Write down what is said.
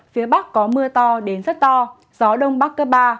phía bắc có mưa to đến rất to gió đông bắc cấp ba